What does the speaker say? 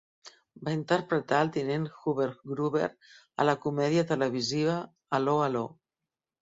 Va interpretar el tinent Hubert Gruber a la comèdia televisiva 'Allo 'Allo!